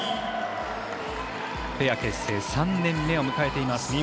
ペア結成３年目を迎えています